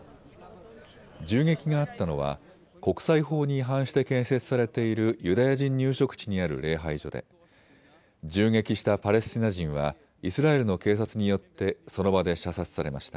銃撃があったのは国際法に違反して建設されているユダヤ人入植地にある礼拝所で銃撃したパレスチナ人はイスラエルの警察によってその場で射殺されました。